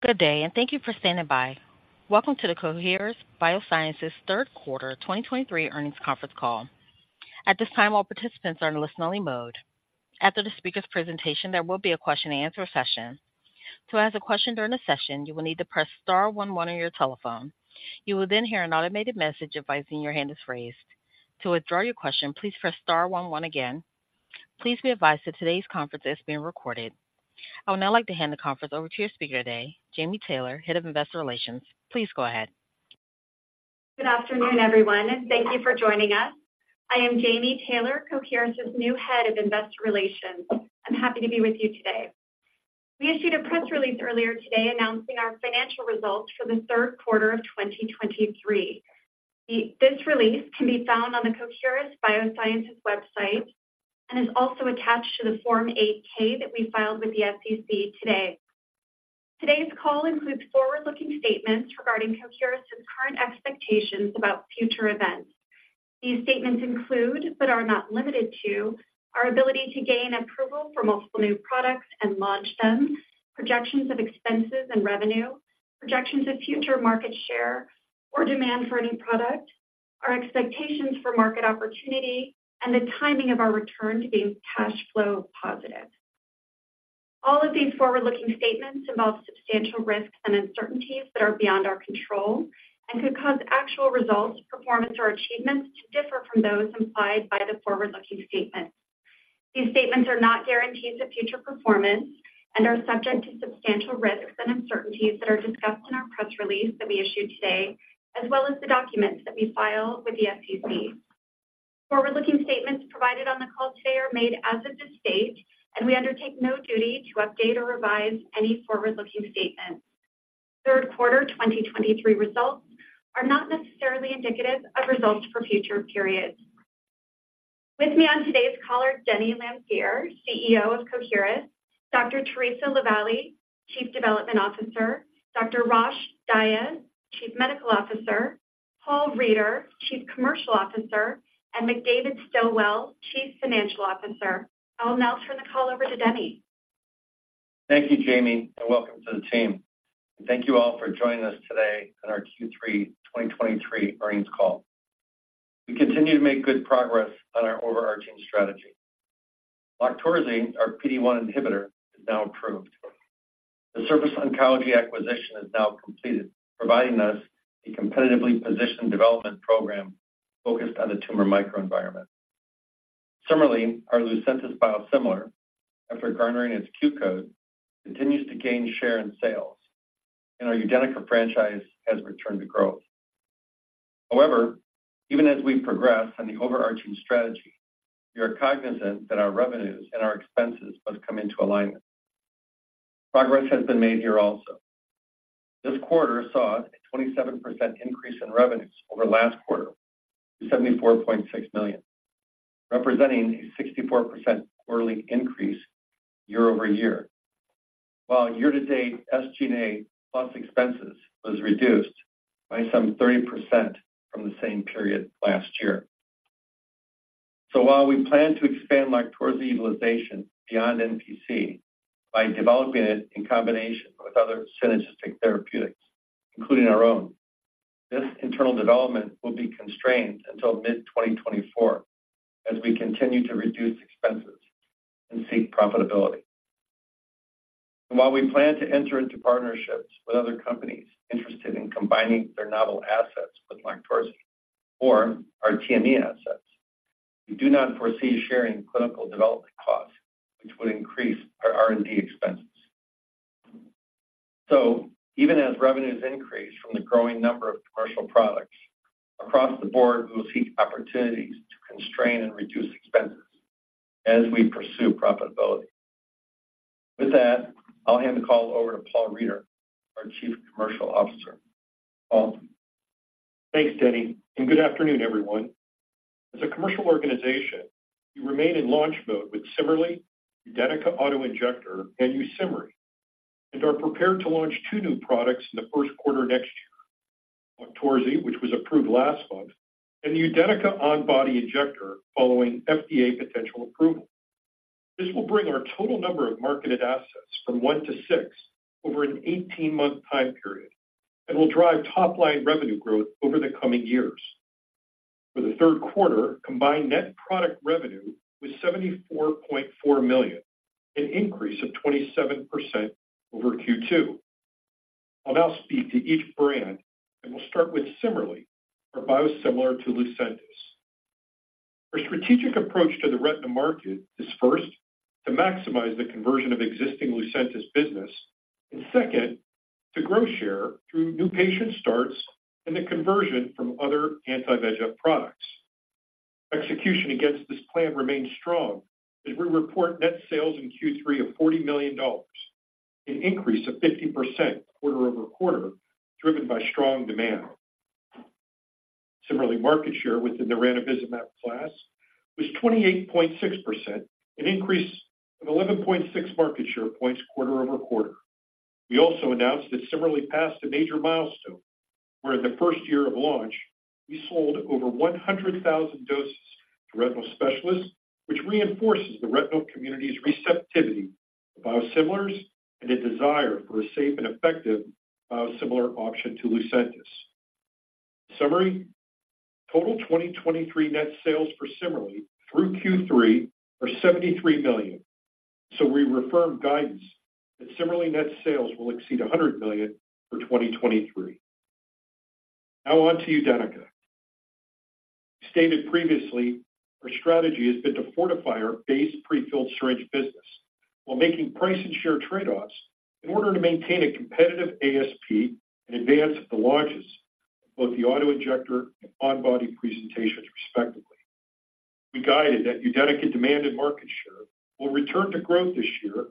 Good day, and thank you for standing by. Welcome to the Coherus BioSciences Q3 2023 earnings conference call. At this time, all participants are in listen-only mode. After the speaker's presentation, there will be a question-and-answer session. To ask a question during the session, you will need to press star one one on your telephone. You will then hear an automated message advising your hand is raised. To withdraw your question, please press star one one again. Please be advised that today's conference is being recorded. I would now like to hand the conference over to your speaker today, Jami Taylor, Head of Investor Relations. Please go ahead. Good afternoon, everyone, and thank you for joining us. I am Jami Taylor, Coherus' new Head of Investor Relations. I'm happy to be with you today. We issued a press release earlier today announcing our financial results for the Q3 of 2023. This release can be found on the Coherus BioSciences website and is also attached to the Form 8-K that we filed with the SEC today. Today's call includes forward-looking statements regarding Coherus' current expectations about future events. These statements include, but are not limited to, our ability to gain approval for multiple new products and launch them, projections of expenses and revenue, projections of future market share or demand for any product, our expectations for market opportunity, and the timing of our return to being cash flow positive. All of these forward-looking statements involve substantial risks and uncertainties that are beyond our control and could cause actual results, performance, or achievements to differ from those implied by the forward-looking statements. These statements are not guarantees of future performance and are subject to substantial risks and uncertainties that are discussed in our press release that we issued today, as well as the documents that we file with the SEC. Forward-looking statements provided on the call today are made as of this date, and we undertake no duty to update or revise any forward-looking statements. Q3 2023 results are not necessarily indicative of results for future periods. With me on today's call are Denny Lanfear, CEO of Coherus, Dr. Theresa LaVallee, Chief Development Officer, Dr. Rosh Dias, Chief Medical Officer, Paul Reider, Chief Commercial Officer, and McDavid Stilwell, Chief Financial Officer. I will now turn the call over to Denny. Thank you, Jami, and welcome to the team. Thank you all for joining us today on our Q3 2023 earnings call. We continue to make good progress on our overarching strategy. LOQTORZI, our PD-1 inhibitor, is now approved. The Surface Oncology acquisition is now completed, providing us a competitively positioned development program focused on the tumor microenvironment. CIMERLY, our Lucentis biosimilar, after garnering its Q code, continues to gain share and sales, and our UDENYCA franchise has returned to growth. However, even as we progress on the overarching strategy, we are cognizant that our revenues and our expenses must come into alignment. Progress has been made here also. This quarter saw a 27% increase in revenues over last quarter to $74.6 million, representing a 64% quarterly increase year-over-year, while year-to-date SG&A plus expenses was reduced by some 30% from the same period last year. So while we plan to expand LOQTORZI utilization beyond NPC by developing it in combination with other synergistic therapeutics, including our own, this internal development will be constrained until mid-2024 as we continue to reduce expenses and seek profitability. And while we plan to enter into partnerships with other companies interested in combining their novel assets with LOQTORZI or our TME assets, we do not foresee sharing clinical development costs, which would increase our R&D expenses. So even as revenues increase from the growing number of commercial products, across the board, we will seek opportunities to constrain and reduce expenses as we pursue profitability. With that, I'll hand the call over to Paul Reider, our Chief Commercial Officer. Paul? Thanks, Denny, and good afternoon, everyone. As a commercial organization, we remain in launch mode with CIMERLI, UDENYCA Auto-Injector, and YUSIMRY, and are prepared to launch 2 new products in the Q1 next year: LOQTORZI, which was approved last month, and UDENYCA On-Body Injector, following FDA potential approval. This will bring our total number of marketed assets from 1 to 6 over an 18-month time period and will drive top-line revenue growth over the coming years. For the Q3, combined net product revenue was $74.4 million, an increase of 27% over Q2. I'll now speak to each brand, and we'll start with CIMERLI, our biosimilar to Lucentis. Our strategic approach to the retina market is, first, to maximize the conversion of existing Lucentis business and, second, to grow share through new patient starts and the conversion from other Anti-VEGF products. Execution against this plan remains strong, as we report net sales in Q3 of $40 million, an increase of 50% quarter over quarter, driven by strong demand. CIMERLI market share within the ranibizumab class was 28.6%, an increase of 11.6 market share points quarter over quarter. We also announced that CIMERLI passed a major milestone, where in the first year of launch, we sold over 100,000 doses to retinal specialists, which reinforces the retinal community's receptivity to biosimilars and a desire for a safe and effective biosimilar option to Lucentis. Summary, total 2023 net sales for CIMERLI through Q3 are $73 million. So we reaffirm guidance that CIMERLI net sales will exceed $100 million for 2023. Now on to UDENYCA. Stated previously, our strategy has been to fortify our base prefilled syringe business while making price and share trade-offs in order to maintain a competitive ASP and advance the launches of both the auto-injector and on-body presentations, respectively. We guided that UDENYCA demand market share will return to growth this year.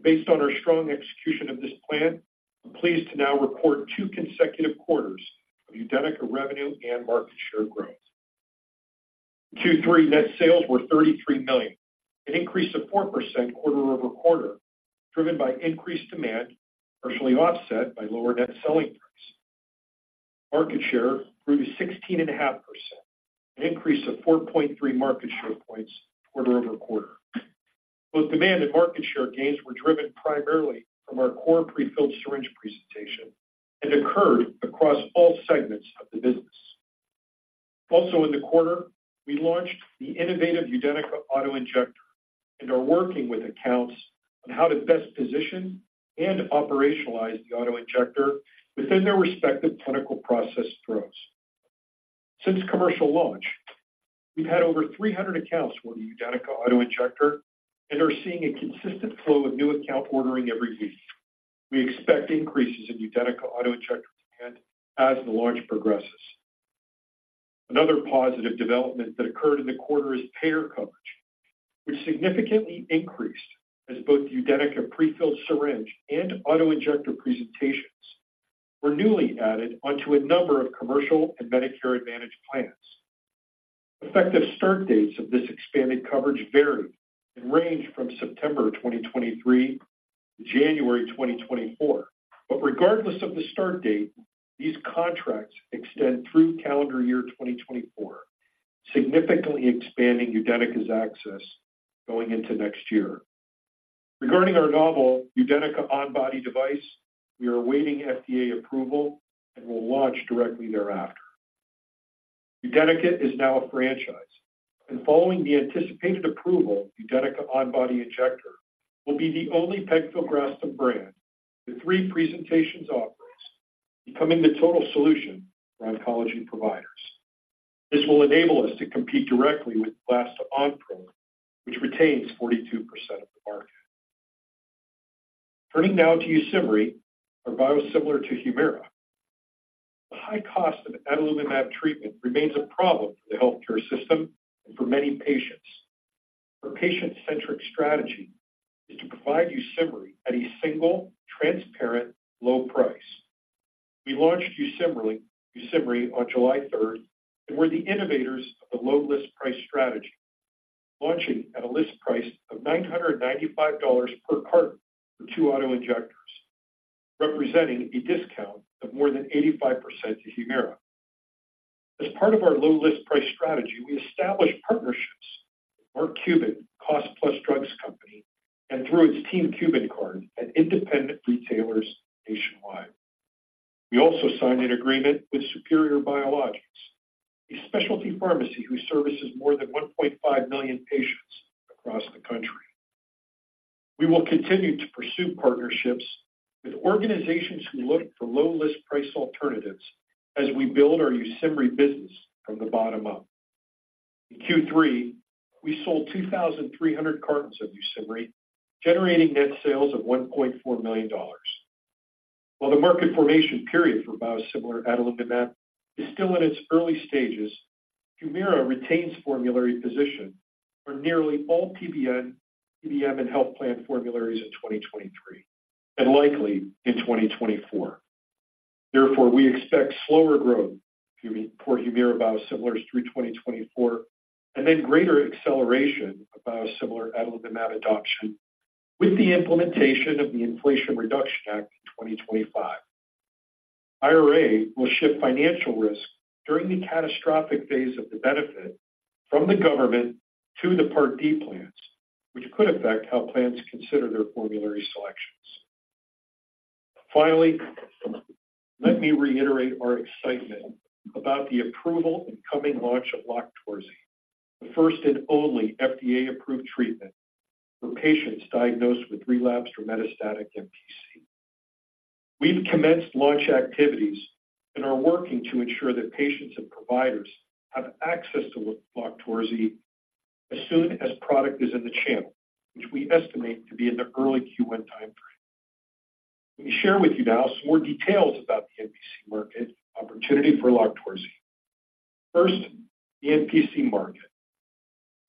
Based on our strong execution of this plan, I'm pleased to now report two consecutive quarters of UDENYCA revenue and market share growth. Q3 net sales were $33 million, an increase of 4% quarter-over-quarter, driven by increased demand, partially offset by lower net selling price. Market share grew to 16.5%, an increase of 4.3 market share points quarter-over-quarter. Both demand and market share gains were driven primarily from our core prefilled syringe presentation and occurred across all segments of the business. Also, in the quarter, we launched the innovative UDENYCA auto-injector and are working with accounts on how to best position and operationalize the auto-injector within their respective clinical process flows. Since commercial launch, we've had over 300 accounts for the UDENYCA auto-injector and are seeing a consistent flow of new account ordering every week. We expect increases in UDENYCA auto-injector demand as the launch progresses. Another positive development that occurred in the quarter is payer coverage, which significantly increased as both UDENYCA prefilled syringe and auto-injector presentations were newly added onto a number of commercial and Medicare Advantage plans. Effective start dates of this expanded coverage vary and range from September 2023 to January 2024. But regardless of the start date, these contracts extend through calendar year 2024, significantly expanding UDENYCA's access going into next year. Regarding our novel, UDENYCA on-body device, we are awaiting FDA approval and will launch directly thereafter. UDENYCA is now a franchise, and following the anticipated approval, UDENYCA on-body injector will be the only pegfilgrastim brand with three presentations offerings, becoming the total solution for oncology providers. This will enable us to compete directly with Neulasta Onpro, which retains 42% of the market. Turning now to YUSIMRY, our biosimilar to HUMIRA. The high cost of adalimumab treatment remains a problem for the healthcare system and for many patients. Our patient-centric strategy is to provide YUSIMRY at a single, transparent, low price. We launched YUSIMRY, YUSIMRY on July third, and we're the innovators of the low list price strategy, launching at a list price of $995 per carton for two auto-injectors, representing a discount of more than 85% to HUMIRA. As part of our low list price strategy, we established partnerships with Mark Cuban Cost Plus Drug Company and through its Team Cuban Card at independent retailers nationwide. We also signed an agreement with Superior Biologics, a specialty pharmacy who services more than 1.5 million patients across the country. We will continue to pursue partnerships with organizations who look for low list price alternatives as we build our YUSIMRY business from the bottom up. In Q3, we sold 2,300 cartons of YUSIMRY, generating net sales of $1.4 million. While the market formation period for biosimilar adalimumab is still in its early stages, HUMIRA retains formulary position for nearly all PBM, PBM, and health plan formularies in 2023, and likely in 2024. Therefore, we expect slower growth for HUMIRA biosimilars through 2024, and then greater acceleration of biosimilar adalimumab adoption with the implementation of the Inflation Reduction Act in 2025. IRA will shift financial risk during the catastrophic phase of the benefit from the government to the Part D plans, which could affect how plans consider their formulary selections. Finally, let me reiterate our excitement about the approval and coming launch of LOQTORZI, the first and only FDA-approved treatment for patients diagnosed with relapsed or metastatic NPC. We've commenced launch activities and are working to ensure that patients and providers have access to LOQTORZI as soon as product is in the channel, which we estimate to be in the early Q1 time frame. Let me share with you now some more details about the NPC market opportunity for LOQTORZI. First, the NPC market.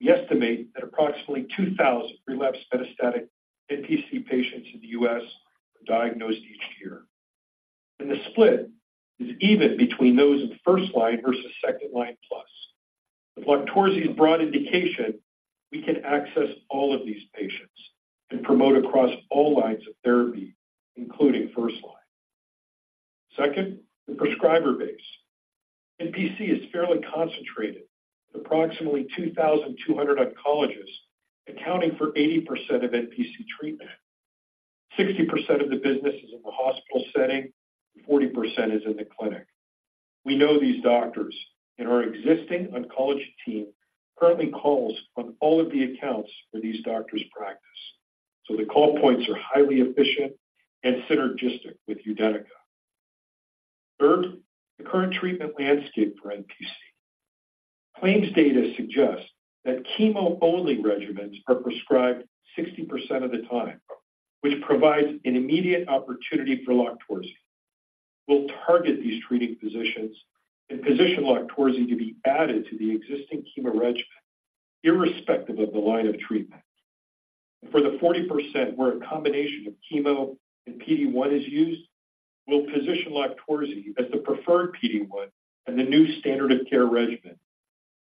We estimate that approximately 2,000 relapsed metastatic NPC patients in the U.S. are diagnosed each year, and the split is even between those in first line versus second-line plus. With LOQTORZI's broad indication, we can access all of these patients and promote across all lines of therapy, including first line. Second, the prescriber base. NPC is fairly concentrated, with approximately 2,200 oncologists accounting for 80% of NPC treatment. 60% of the business is in the hospital setting, and 40% is in the clinic. We know these doctors, and our existing oncology team currently calls on all of the accounts for these doctors' practice, so the call points are highly efficient and synergistic with UDENYCA. Third, the current treatment landscape for NPC. Claims data suggest that chemo-only regimens are prescribed 60% of the time, which provides an immediate opportunity for LOQTORZI. We'll target these treating physicians and position LOQTORZI to be added to the existing chemo regimen, irrespective of the line of treatment. For the 40%, where a combination of chemo and PD-1 is used, we'll position LOQTORZI as the preferred PD-1 and the new standard of care regimen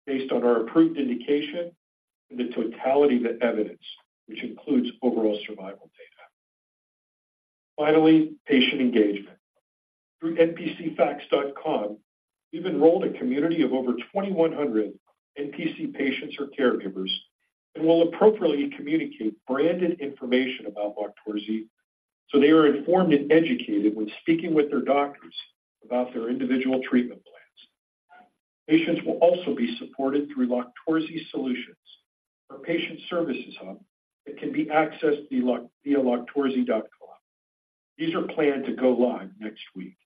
based on our approved indication and the totality of the evidence, which includes overall survival data. Finally, patient engagement. Through npcfacts.com, we've enrolled a community of over 2,100 NPC patients or caregivers and will appropriately communicate branded information about LOQTORZI, so they are informed and educated when speaking with their doctors about their individual treatment plans. Patients will also be supported through LOQTORZI Solutions, our patient services hub that can be accessed via loqtorzi.com. These are planned to go live next week.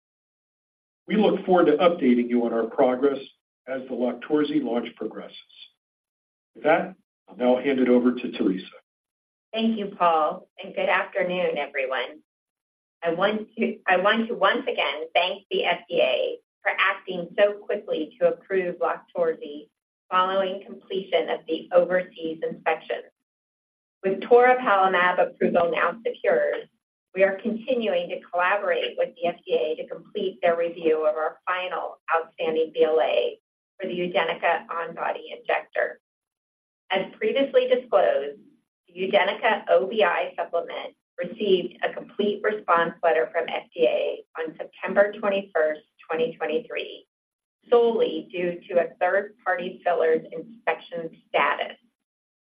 We look forward to updating you on our progress as the LOQTORZI launch progresses. With that, I'll now hand it over to Theresa. Thank you, Paul, and good afternoon, everyone. I want to once again thank the FDA for acting so quickly to approve LOQTORZI following completion of the overseas inspection. With toripalimab approval now secured, we are continuing to collaborate with the FDA to complete their review of our final outstanding BLA for the UDENYCA on-body injector. As previously disclosed, the UDENYCA OBI supplement received a complete response letter from FDA on September 21st, 2023, solely due to a third-party filler's inspection status.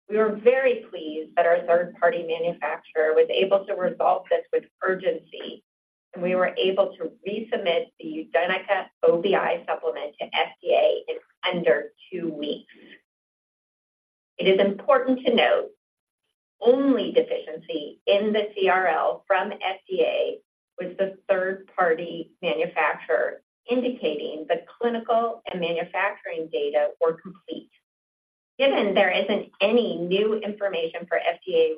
We were very pleased that our third-party manufacturer was able to resolve this with urgency, and we were able to resubmit the UDENYCA OBI supplement to FDA in under two weeks. It is important to note, the only deficiency in the CRL from FDA was the third-party manufacturer, indicating that clinical and manufacturing data were complete. Given there isn't any new information for FDA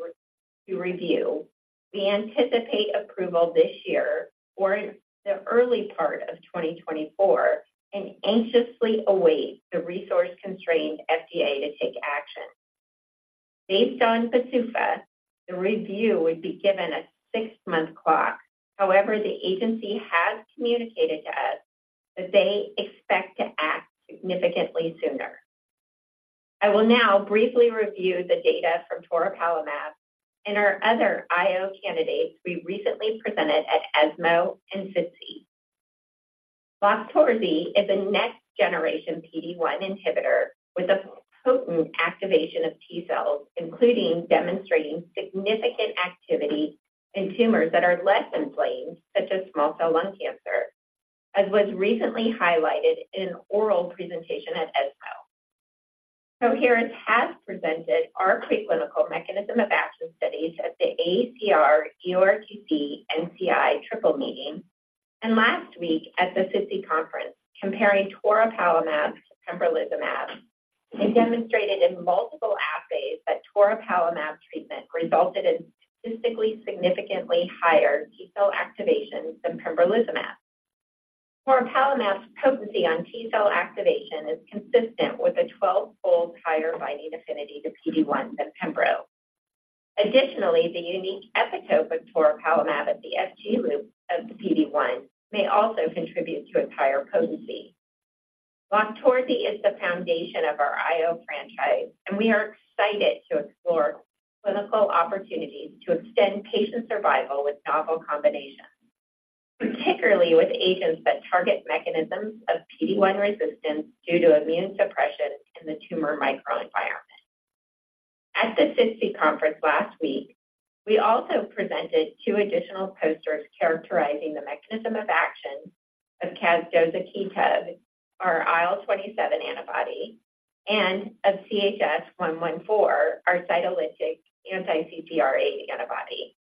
to review, we anticipate approval this year or in the early part of 2024 and anxiously await the resource-constrained FDA to take action. Based on PDUFA, the review would be given a 6-month clock. However, the agency has communicated to us that they expect to act significantly sooner. I will now briefly review the data from toripalimab and our other IO candidates we recently presented at ESMO and SITC. LOQTORZI is a next-generation PD-1 inhibitor with a potent activation of T cells, including demonstrating significant activity in tumors that are less inflamed, such as small cell lung cancer, as was recently highlighted in an oral presentation at ESMO. Coherus has presented our preclinical mechanism of action studies at the AACR-NCI-EORTC triple meeting and last week at the SITC conference, comparing toripalimab to pembrolizumab. It demonstrated in multiple assays that toripalimab treatment resulted in statistically significantly higher T cell activation than pembrolizumab. Toripalimab's potency on T cell activation is consistent with a 12-fold higher binding affinity to PD-1 than pembro. Additionally, the unique epitope of toripalimab at the FG loop of the PD-1 may also contribute to its higher potency. LOQTORZI is the foundation of our IO franchise, and we are excited to explore clinical opportunities to extend patient survival with novel combinations, particularly with agents that target mechanisms of PD-1 resistance due to immune suppression in the tumor microenvironment. At the SITC conference last week, we also presented two additional posters characterizing the mechanism of action of casdozokitug, our IL-27 antibody, and of CHS-114, our cytolytic anti-CCR8 antibody.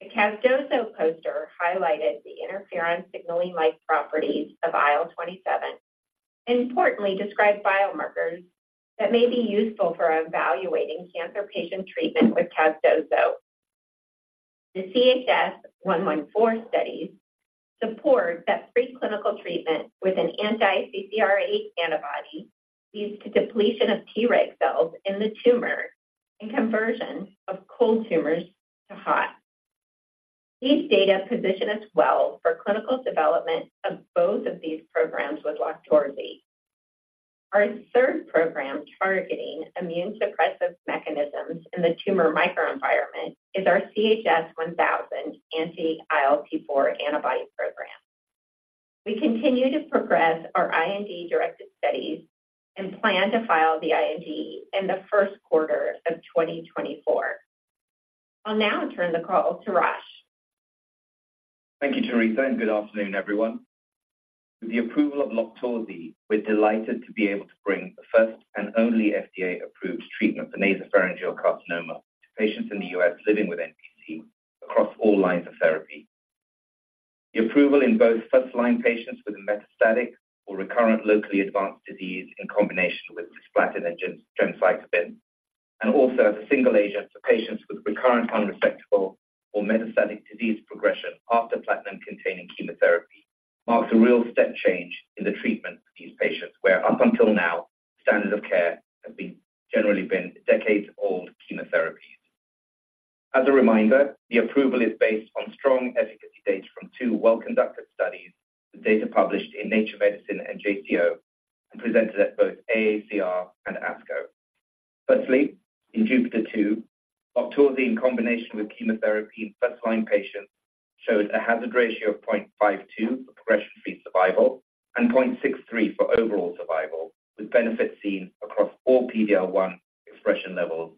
The casdozokitug poster highlighted the interferon signaling-like properties of IL-27 and importantly described biomarkers that may be useful for evaluating cancer patient treatment with casdozokitug. The CHS-114 studies support that preclinical treatment with an anti-CCR8 antibody leads to depletion of Treg cells in the tumor and conversion of cold tumors to hot. These data position us well for clinical development of both of these programs with LOQTORZI. Our third program targeting immune suppressive mechanisms in the tumor microenvironment is our CHS-1000 anti-ILT4 antibody program. We continue to progress our IND-directed studies and plan to file the IND in the Q1 of 2024. I'll now turn the call to Rosh. Thank you, Theresa, and good afternoon, everyone. With the approval of LOQTORZI, we're delighted to be able to bring the first and only FDA-approved treatment for nasopharyngeal carcinoma to patients in the US living with NPC across all lines of therapy. The approval in both first-line patients with metastatic or recurrent locally advanced disease in combination with cisplatin and gemcitabine, and also as a single agent for patients with recurrent unresectable or metastatic disease progression after platinum-containing chemotherapy, marks a real step change in the treatment of these patients, where up until now, standard of care have been generally decades-old chemotherapy. As a reminder, the approval is based on strong efficacy data from two well-conducted studies, the data published in Nature Medicine and JCO, and presented at both AACR and ASCO. Firstly, in JUPITER-2, LOQTORZI in combination with chemotherapy in first-line patients showed a hazard ratio of 0.52 for progression-free survival and 0.63 for overall survival, with benefits seen across all PD-L1 expression levels,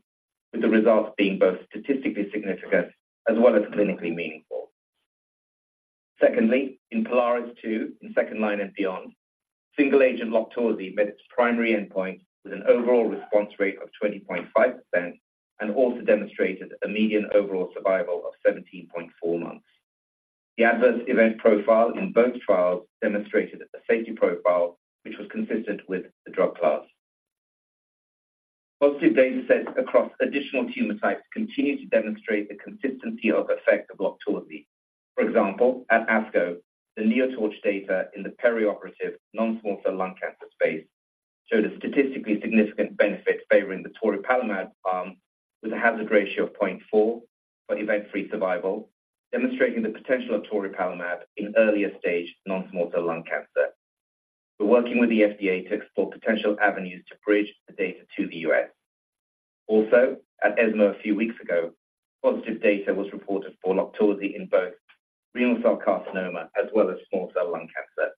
with the results being both statistically significant as well as clinically meaningful. Secondly, in POLARIS-2, in second-line and beyond, single-agent LOQTORZI met its primary endpoint with an overall response rate of 20.5% and also demonstrated a median overall survival of 17.4 months. The adverse event profile in both trials demonstrated a safety profile which was consistent with the drug class. Positive data sets across additional tumor types continue to demonstrate the consistency of effect of LOQTORZI. For example, at ASCO, the NEOTORCH data in the perioperative non-small cell lung cancer space showed a statistically significant benefit favoring the toripalimab arm with a hazard ratio of 0.4 for event-free survival, demonstrating the potential of toripalimab in earlier stage non-small cell lung cancer. We're working with the FDA to explore potential avenues to bridge the data to the U.S. Also, at ESMO a few weeks ago, positive data was reported for LOQTORZI in both renal cell carcinoma as well as small cell lung cancer.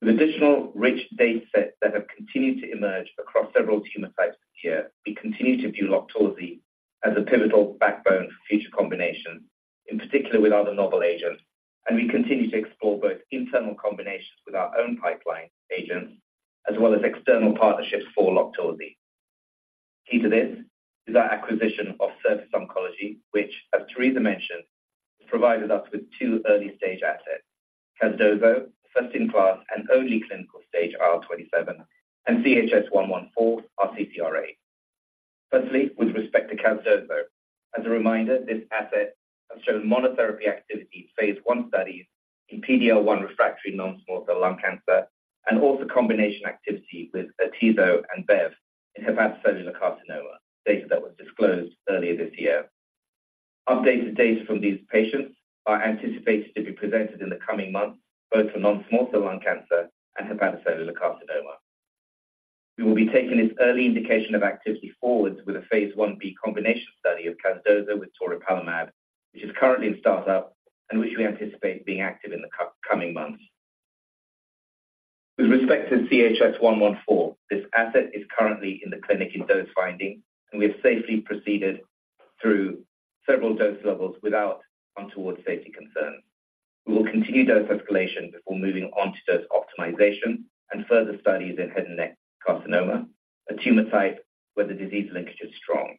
With additional rich data sets that have continued to emerge across several tumor types this year, we continue to view LOQTORZI as a pivotal backbone for future combinations, in particular with other novel agents, and we continue to explore both internal combinations with our own pipeline agents as well as external partnerships for LOQTORZI. Key to this is our acquisition of Surface Oncology, which, as Theresa mentioned, has provided us with two early-stage assets: Casdozokitug, first-in-class and only clinical-stage IL-27, and CHS-114, anti-CCR8. Firstly, with respect to Casdozokitug, as a reminder, this asset has shown monotherapy activity in phase I studies in PD-L1 refractory non-small cell lung cancer and also combination activity with Atezo and Bev in hepatocellular carcinoma, data that was disclosed earlier this year. Updated data from these patients are anticipated to be presented in the coming months, both for non-small cell lung cancer and hepatocellular carcinoma. We will be taking this early indication of activity forwards with a phase Ib combination study of Casdozokitug with toripalimab, which is currently in startup and which we anticipate being active in the coming months. With respect to CHS-114, this asset is currently in the clinic in dose finding, and we have safely proceeded through several dose levels without untoward safety concerns. We will continue dose escalation before moving on to dose optimization and further studies in head and neck carcinoma, a tumor type where the disease linkage is strong.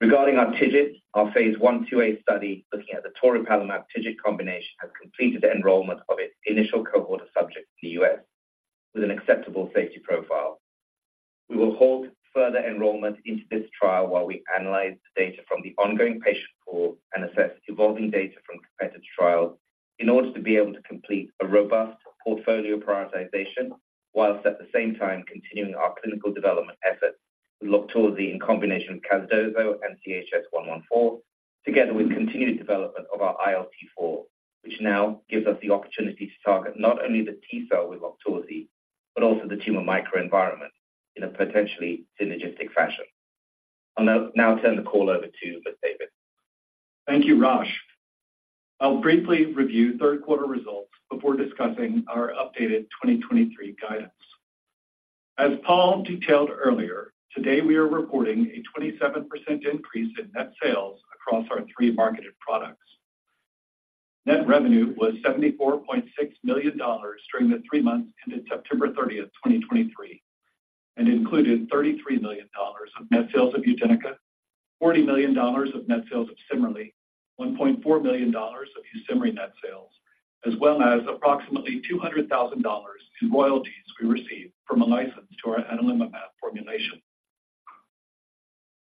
Regarding our TIGIT, `phase I/2a study, looking at the toripalimab TIGIT combination, has completed the enrollment of its initial cohort of subjects in the U.S. with an acceptable safety profile. We will hold further enrollment into this trial while we analyze the data from the ongoing patient pool and assess evolving data from competitive trials in order to be able to complete a robust portfolio prioritization, while at the same time continuing our clinical development efforts with LOQTORZI in combination with Casdozokitug and CHS-114, together with continued development of our ILT4, which now gives us the opportunity to target not only the T cell with LOQTORZI, but also the tumor microenvironment in a potentially synergistic fashion. I'll now turn the call over to David. Thank you, Rosh. I'll briefly review Q3 results before discussing our updated 2023 guidance. As Paul detailed earlier, today we are reporting a 27% increase in net sales across our three marketed products. Net revenue was $74.6 million during the three months ended September 30, 2023, and included $33 million of net sales of UDENYCA, $40 million of net sales of CIMERLI, $1.4 million of YUSIMRY net sales, as well as approximately $200,000 in royalties we received from a license to our adalimumab formulation.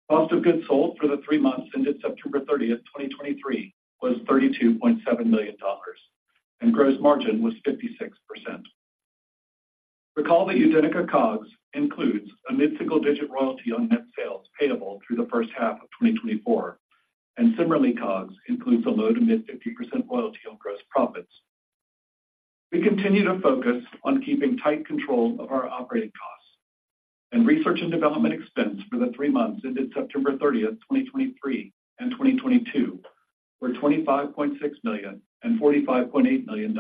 Cost of goods sold for the three months ended September 30, 2023, was $32.7 million, and gross margin was 56%. Recall that UDENYCA COGS includes a mid-single-digit royalty on net sales payable through the first half of 2024, and similarly, COGS includes a low- to mid-50% royalty on gross profits. We continue to focus on keeping tight control of our operating costs, and research and development expense for the three months ended September 30, 2023 and 2022, were $25.6 million and $45.8 million,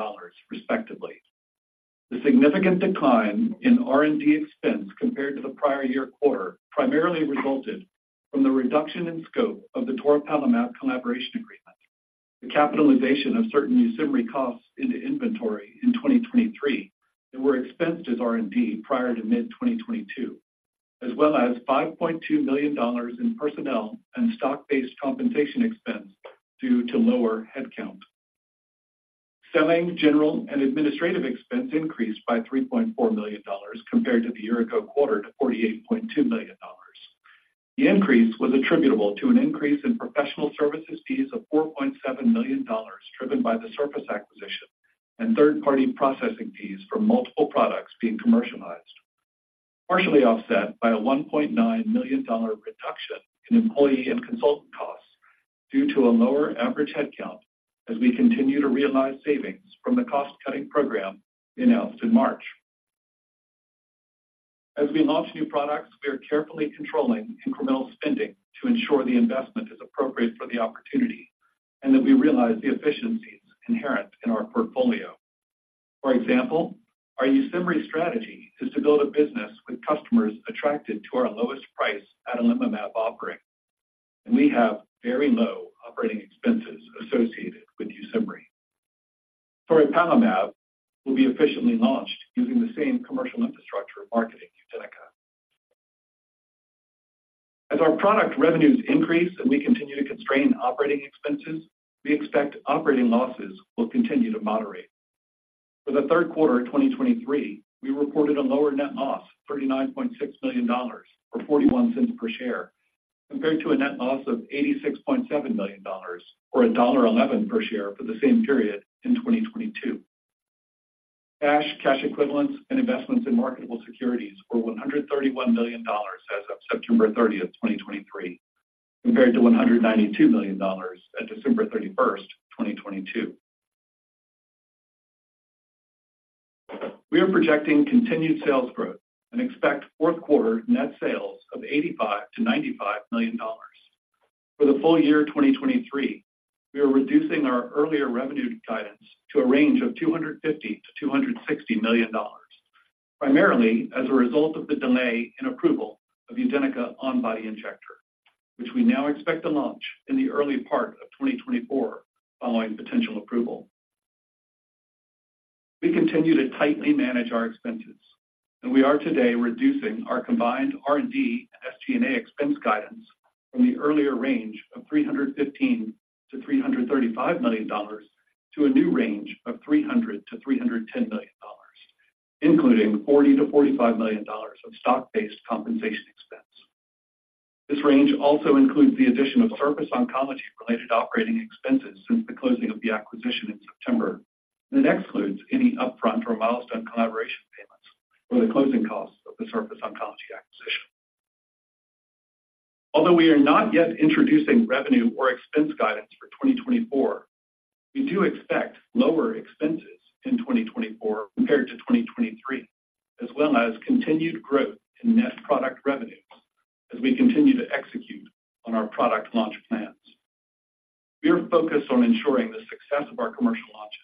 respectively. The significant decline in R&D expense compared to the prior year quarter primarily resulted from the reduction in scope of the toripalimab collaboration agreement, the capitalization of certain YUSIMRY costs into inventory in 2023, that were expensed as R&D prior to mid-2022, as well as $5.2 million in personnel and stock-based compensation expense due to lower headcount. Selling, general, and administrative expense increased by $3.4 million compared to the year-ago quarter to $48.2 million. The increase was attributable to an increase in professional services fees of $4.7 million, driven by the Surface acquisition and third-party processing fees for multiple products being commercialized. Partially offset by a $1.9 million reduction in employee and consultant costs due to a lower average headcount as we continue to realize savings from the cost-cutting program announced in March. As we launch new products, we are carefully controlling incremental spending to ensure the investment is appropriate for the opportunity and that we realize the efficiencies inherent in our portfolio. For example, our YUSIMRY strategy is to build a business with customers attracted to our lowest price adalimumab offering, and we have very low operating expenses associated with YUSIMRY. Toripalimab will be efficiently launched using the same commercial infrastructure marketing UDENYCA. As our product revenues increase and we continue to constrain operating expenses, we expect operating losses will continue to moderate. For the Q3 of 2023, we reported a lower net loss, $39.6 million, or 41 cents per share, compared to a net loss of $86.7 million, or $1.11 per share, for the same period in 2022. Cash, cash equivalents, and investments in marketable securities were $131 million as of September 30, 2023, compared to $192 million at December 31, 2022. We are projecting continued sales growth and expect Q4 net sales of $85 million-$95 million. For the full year 2023, we are reducing our earlier revenue guidance to a range of $250 million-$260 million, primarily as a result of the delay in approval of UDENYCA On-Body Injector, which we now expect to launch in the early part of 2024 following potential approval. We continue to tightly manage our expenses, and we are today reducing our combined R&D and SG&A expense guidance from the earlier range of $315 million-$335 million to a new range of $300 million-$310 million, including $40 million-$45 million of stock-based compensation expense. This range also includes the addition of Surface Oncology-related operating expenses since the closing of the acquisition in September, and it excludes any upfront or milestone collaboration payments or the closing costs of the Surface Oncology acquisition. Although we are not yet introducing revenue or expense guidance for 2024, we do expect lower expenses in 2024 compared to 2023, as well as continued growth in net product revenues as we continue to execute on our product launch plans. We are focused on ensuring the success of our commercial launches,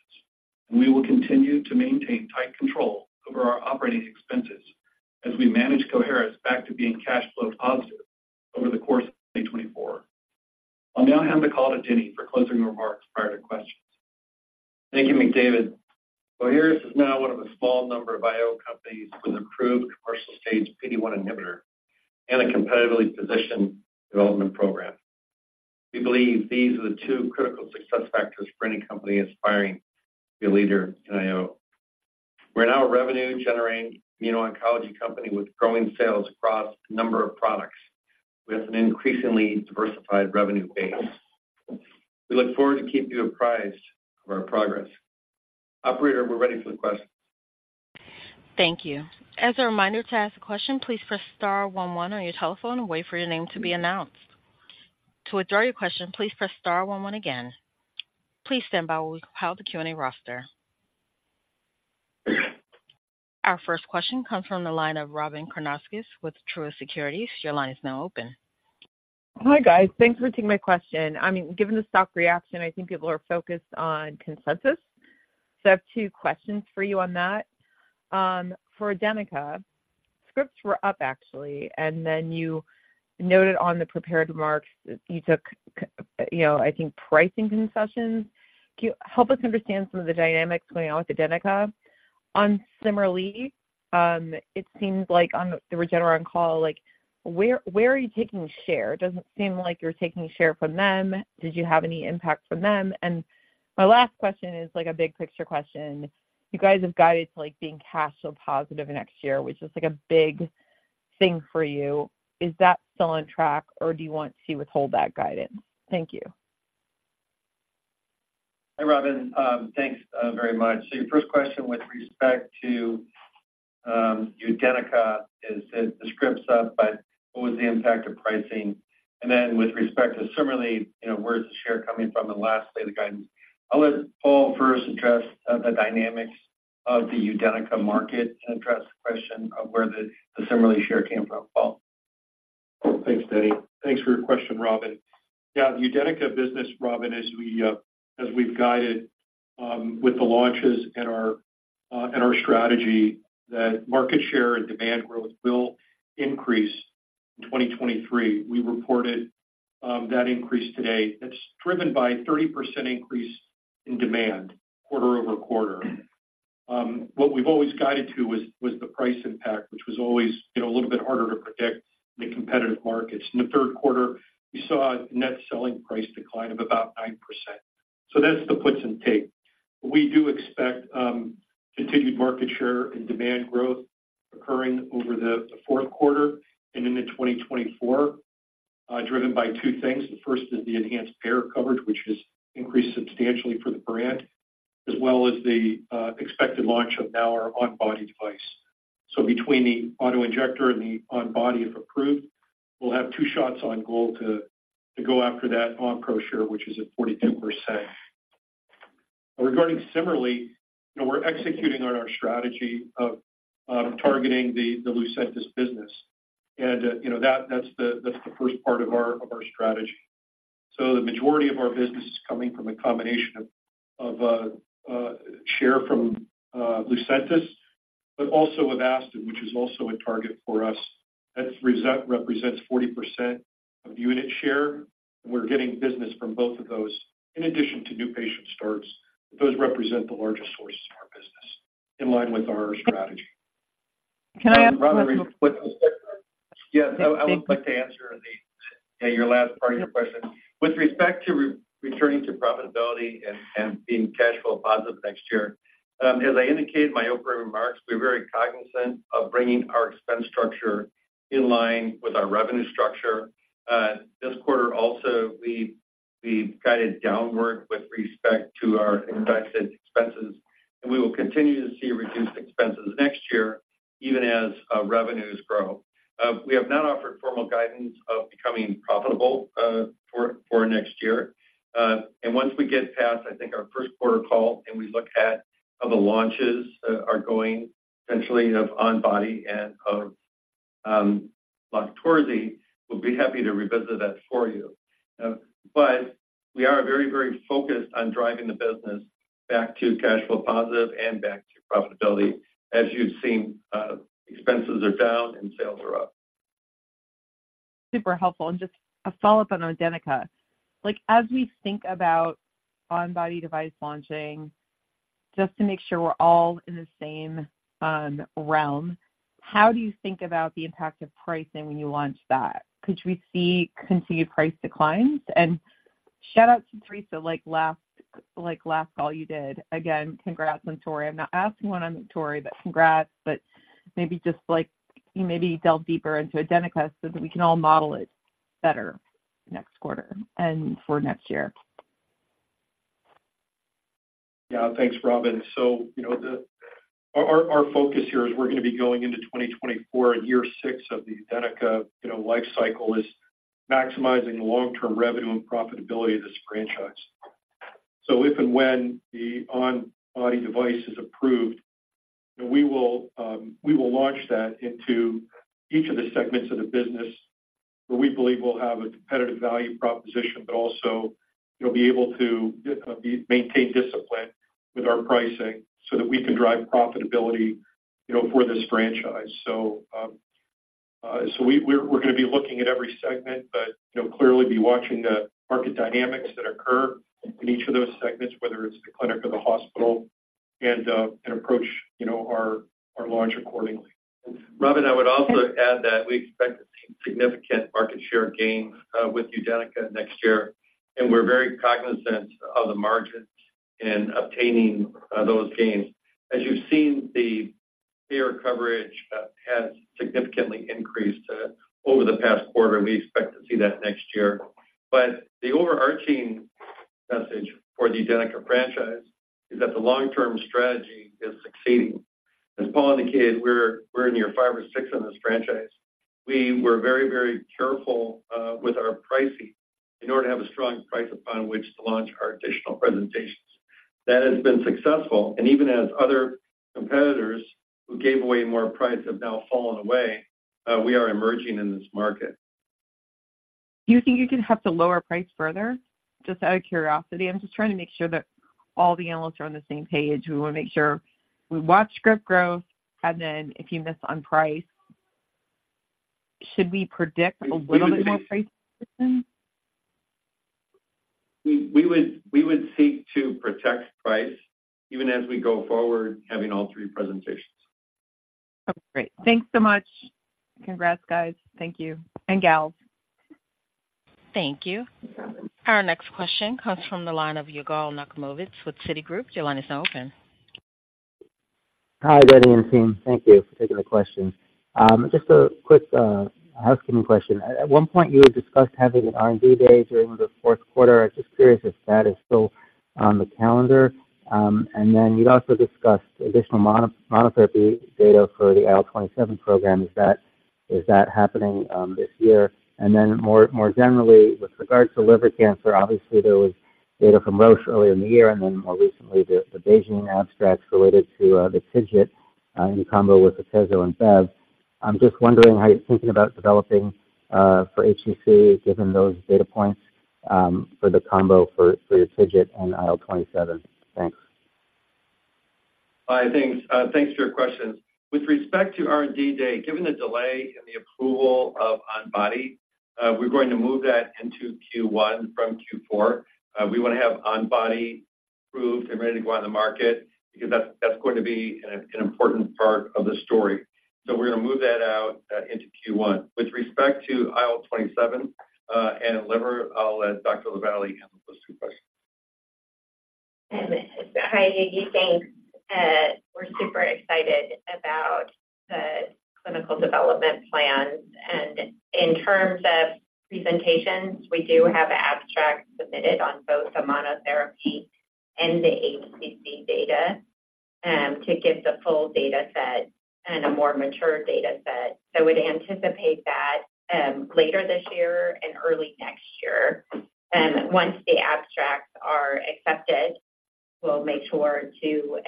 and we will continue to maintain tight control over our operating expenses as we manage Coherus back to being cash flow positive over the course of 2024. I'll now hand the call to Denny for closing remarks prior to questions. Thank you, McDavid. Coherus is now one of a small number of IO companies with approved commercial-stage PD-1 inhibitor and a competitively positioned development program. We believe these are the two critical success factors for any company aspiring to be a leader in IO. We're now a revenue-generating immuno-oncology company with growing sales across a number of products, with an increasingly diversified revenue base. We look forward to keeping you apprised of our progress. Operator, we're ready for the questions. Thank you. As a reminder, to ask a question, please press star one one on your telephone and wait for your name to be announced. To withdraw your question, please press star one one again. Please stand by while we compile the Q&A roster. Our first question comes from the line of Robyn Karnauskas with Truist Securities. Your line is now open. Hi, guys. Thanks for taking my question. I mean, given the stock reaction, I think people are focused on consensus. So I have two questions for you on that. For UDENYCA, scripts were up, actually, and then you noted on the prepared remarks that you took, you know, I think pricing concessions. Can you help us understand some of the dynamics going on with UDENYCA? On CIMERLI, it seems like on the Regeneron call, like, where, where are you taking share? It doesn't seem like you're taking share from them. Did you have any impact from them? And my last question is, like, a big-picture question. You guys have guided to, like, being cash flow positive next year, which is, like, a big thing for you. Is that still on track, or do you want to withhold that guidance? Thank you. Hi, Robyn. Thanks very much. So your first question with respect to UDENYCA is, is the scripts up, but what was the impact of pricing? And then with respect to similarly, you know, where is the share coming from, and lastly, the guidance. I'll let Paul first address the dynamics of the UDENYCA market and address the question of where the similarly share came from. Paul? Thanks, Denny. Thanks for your question, Robyn. Yeah, the UDENYCA business, Robyn, as we've guided with the launches and our strategy, that market share and demand growth will increase in 2023. We reported that increase today. That's driven by a 30% increase in demand quarter over quarter. What we've always guided to was the price impact, which was always, you know, a little bit harder to predict in the competitive markets. In the Q3, we saw a net selling price decline of about 9%. So that's the puts and take. We do expect continued market share and demand growth occurring over the Q4 and into 2024, driven by two things. The first is the enhanced payer coverage, which has increased substantially for the brand, as well as the expected launch of now our on-body device. So between the auto-injector and the on-body, if approved, we'll have two shots on goal to go after that Onpro share, which is at 42%. Regarding similarly, you know, we're executing on our strategy of targeting the Lucentis business. And, you know, that's the first part of our strategy. So the majority of our business is coming from a combination of share from Lucentis, but also Avastin, which is also a target for us. That reset represents 40% of unit share. We're getting business from both of those in addition to new patient starts. Those represent the largest sources of our business in line with our strategy. Can I ask- Yes, I would like to answer your last part of your question. With respect to returning to profitability and being cash flow positive next year, as I indicated in my opening remarks, we're very cognizant of bringing our expense structure in line with our revenue structure. This quarter also, we guided downward with respect to our invested expenses, and we will continue to see reduced expenses next year, even as revenues grow. We have not offered formal guidance of becoming profitable for next year. And once we get past, I think, our Q1 call, and we look at how the launches are going, essentially of on-body and of LOQTORZI, we'll be happy to revisit that for you. But we are very, very focused on driving the business back to cash flow positive and back to profitability. As you've seen, expenses are down and sales are up. Super helpful. Just a follow-up on UDENYCA. Like, as we think about on-body device launching, just to make sure we're all in the same realm, how do you think about the impact of pricing when you launch that? Could we see continued price declines? And shout out to Theresa, like, last, like, last call you did. Again, congrats on Tori. I'm not asking one on Tori, but congrats. But maybe just, like, maybe delve deeper into UDENYCA so that we can all model it better next quarter and for next year. Yeah. Thanks, Robyn. So, you know, the our focus here is we're going to be going into 2024 and year six of the UDENYCA, you know, life cycle is maximizing the long-term revenue and profitability of this franchise. So if and when the on-body device is approved, we will launch that into each of the segments of the business, where we believe we'll have a competitive value proposition, but also, you know, be able to maintain discipline with our pricing so that we can drive profitability, you know, for this franchise. So, we're gonna be looking at every segment, but, you know, clearly be watching the market dynamics that occur in each of those segments, whether it's the clinic or the hospital, and approach, you know, our launch accordingly. Robyn, I would also add that we expect to see significant market share gains with UDENYCA next year, and we're very cognizant of the margins in obtaining those gains. As you've seen, the payer coverage has significantly increased over the past quarter, and we expect to see that next year. But the overarching message for the UDENYCA franchise is that the long-term strategy is succeeding. As Paul indicated, we're in year five or six on this franchise. We were very, very careful with our pricing in order to have a strong price upon which to launch our additional presentations. That has been successful, and even as other competitors who gave away more price have now fallen away, we are emerging in this market. Do you think you could have to lower price further? Just out of curiosity, I'm just trying to make sure that all the analysts are on the same page. We wanna make sure we watch script growth, and then if you miss on price, should we predict a little bit more price? We would seek to protect price even as we go forward, having all three presentations. Okay, great. Thanks so much. Congrats, guys. Thank you, and gals. Thank you. Our next question comes from the line of Yigal Nochomovitz with Citigroup. Your line is now open. Hi, Denny and team. Thank you for taking the question. Just a quick housekeeping question. At one point, you had discussed having an R&D day during the Q4. I'm just curious if that is still on the calendar. And then you also discussed additional monotherapy data for the IL-27 program. Is that happening this year? And then more, more generally, with regards to liver cancer, obviously, there was data from Roche earlier in the year, and then more recently, the BeiGene abstracts related to the TIGIT in combo with atezolizumab. I'm just wondering how you're thinking about developing for HCC, given those data points for the combo for your TIGIT and IL-27. Thanks. Hi, thanks. Thanks for your question. With respect to R&D Day, given the delay in the approval of on-body, we're going to move that into Q1 from Q4. We want to have on-body approved and ready to go on the market because that's, that's going to be an important part of the story. So we're gonna move that out into Q1. With respect to IL-27 and liver, I'll let Dr. LaVallee handle those two questions. Hi, Yigal, thanks. We're super excited about the clinical development plans, and in terms of presentations, we do have an abstract submitted on both the monotherapy and the HCC data, to give the full data set and a more mature data set. I would anticipate that, later this year and early next year, once the abstracts are accepted, we'll make sure to,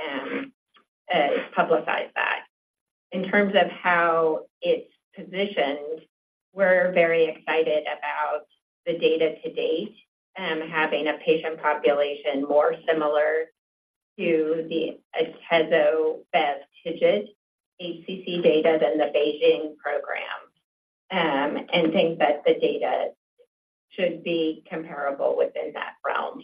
publicize that. In terms of how it's positioned, we're very excited about the data to date, having a patient population more similar to the Atezolizumab TIGIT HCC data than the BeiGene program, and think that the data should be comparable within that realm.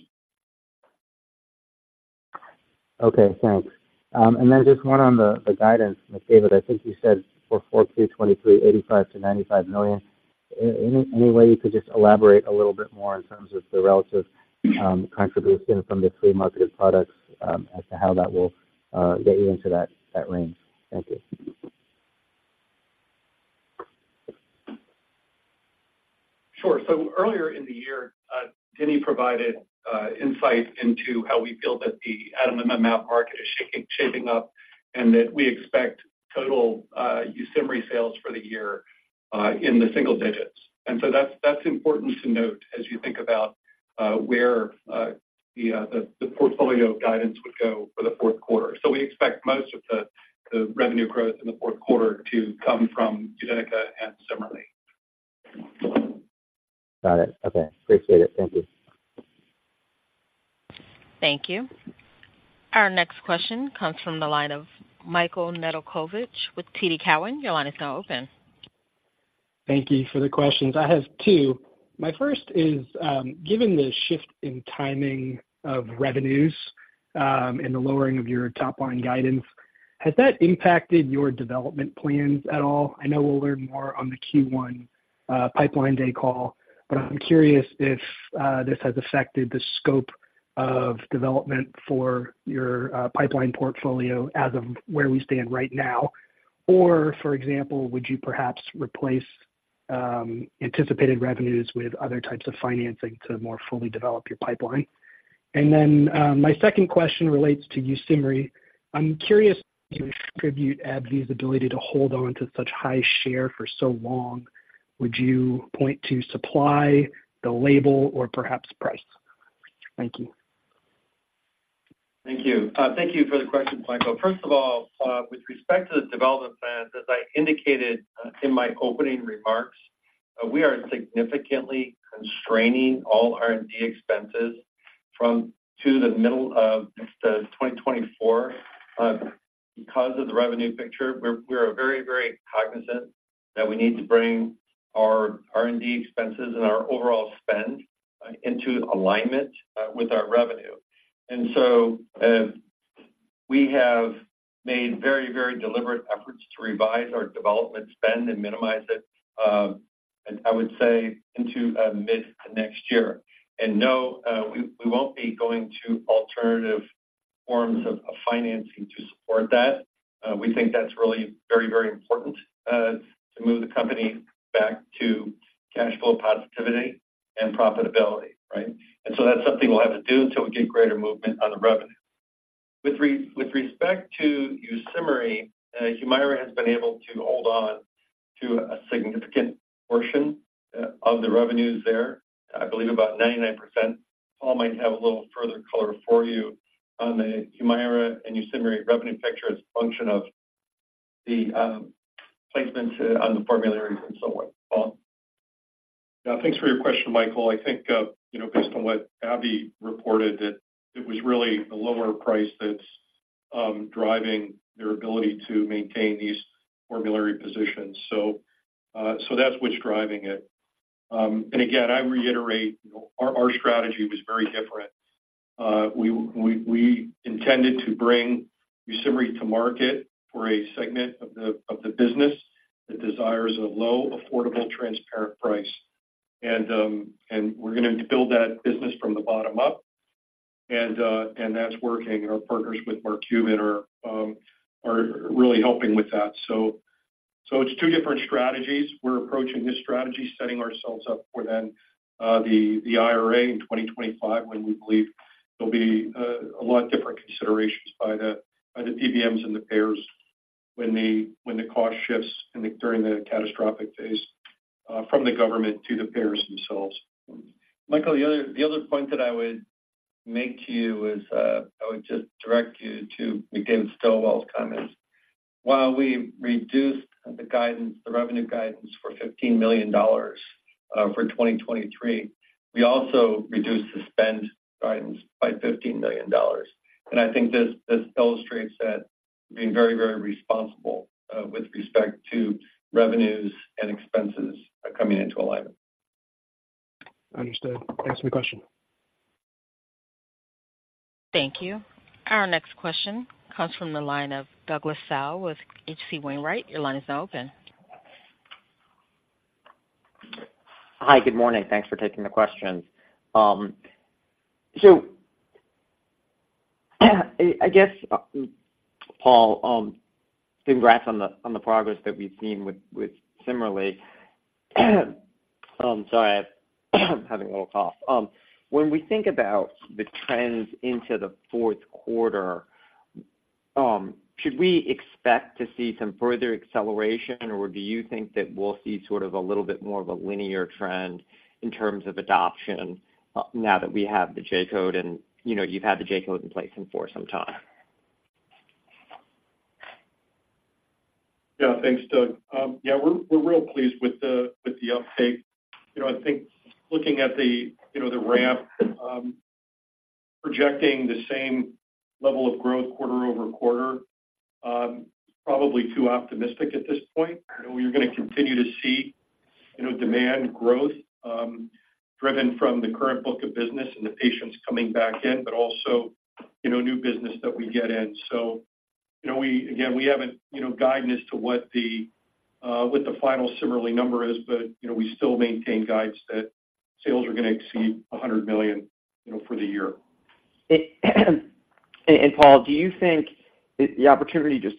Okay, thanks. And then just one on the guidance, David. I think you said for Q4 2023, $85 million-$95 million. Any way you could just elaborate a little bit more in terms of the relative contribution from the three marketed products as to how that will get you into that range? Thank you. Sure. So earlier in the year, Denny provided insight into how we feel that the adalimumab market is shaping up, and that we expect total YUSIMRY sales for the year in the single digits. And so that's important to note as you think about where the portfolio guidance would go for the Q4. So we expect most of the revenue growth in the Q4 to come from UDENYCA and YUSIMRY. Got it. Okay, appreciate it. Thank you. Thank you. Our next question comes from the line of Michael Nedelcovych with TD Cowen. Your line is now open. Thank you for the questions. I have two. My first is, given the shift in timing of revenues, and the lowering of your top-line guidance, has that impacted your development plans at all? I know we'll learn more on the Q1 pipeline day call, but I'm curious if this has affected the scope of development for your pipeline portfolio as of where we stand right now. Or, for example, would you perhaps replace anticipated revenues with other types of financing to more fully develop your pipeline? And then my second question relates to YUSIMRY. I'm curious, do you attribute AbbVie's ability to hold on to such high share for so long? Would you point to supply, the label, or perhaps price? Thank you. Thank you. Thank you for the question, Michael. First of all, with respect to the development plans, as I indicated in my opening remarks, we are significantly constraining all R&D expenses from to the middle of 2024. Because of the revenue picture, we're very cognizant that we need to bring our R&D expenses and our overall spend into alignment with our revenue. And so, we have made very deliberate efforts to revise our development spend and minimize it, and I would say, into mid-next year. And no, we won't be going to alternative forms of financing to support that. We think that's really very important to move the company back to cash flow positivity and profitability, right? That's something we'll have to do until we get greater movement on the revenue. With respect to YUSIMRY, HUMIRA has been able to hold on to a significant portion of the revenues there. I believe about 99%. Paul might have a little further color for you on the HUMIRA and YUSIMRY revenue picture as a function of the placement on the formulary and so on. Paul? Thanks for your question, Michael. I think you know, based on what AbbVie reported, that it was really the lower price that's driving their ability to maintain these formulary positions. So that's what's driving it. And again, I reiterate, our strategy was very different. We intended to bring YUSIMRY to market for a segment of the business that desires a low, affordable, transparent price. And., and we're gonna build that business from the bottom up, and, and that's working. Our partners with Mark Cuban are really helping with that. So, it's two different strategies. We're approaching this strategy, setting ourselves up for then, the IRA in 2025, when we believe there'll be a lot different considerations by the PBMs and the payers when the cost shifts in the during the catastrophic phase from the government to the payers themselves. Michael, the other point that I would make to you is, I would just direct you to McDavid Stilwell's comments. While we reduced the guidance, the revenue guidance for $15 million for 2023, we also reduced the spend guidance by $15 million. I think this illustrates that being very, very responsible with respect to revenues and expenses coming into alignment. Understood. Thanks for the question. Thank you. Our next question comes from the line of Douglas Tsao with H.C. Wainwright. Your line is now open. Hi, good morning. Thanks for taking the questions. So, I guess, Paul, congrats on the progress that we've seen with YUSIMRY. Sorry, I'm having a little cough. When we think about the trends into the Q4, should we expect to see some further acceleration, or do you think that we'll see sort of a little bit more of a linear trend in terms of adoption now that we have the J-code and, you know, you've had the J-code in place for some time? Yeah, thanks, Doug. Yeah, we're, we're real pleased with the, with the uptake. You know, I think looking at the, you know, the ramp, projecting the same level of growth quarter-over-quarter, probably too optimistic at this point. We're gonna continue to see, you know, demand growth, driven from the current book of business and the patients coming back in, but also, you know, new business that we get in. So, you know, we again, we haven't given guidance to what the final sell-in number is, but, you know, we still maintain guidance that sales are gonna exceed $100 million, you know, for the year. Paul, do you think the opportunity just